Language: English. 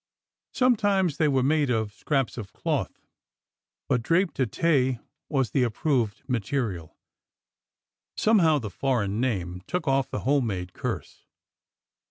Sometimes they were made of scraps of cloth, but drap d' etc was the approved material. Somehow, the foreign name took off the home made curse.